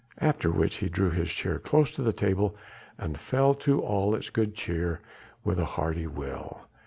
After which he drew his chair close to the table, and fell to all its good cheer with a hearty will.